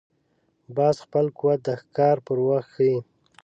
باز خپل قوت د ښکار پر وخت ښيي